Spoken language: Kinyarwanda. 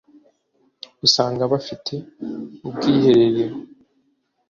usanga bafite ubwiherero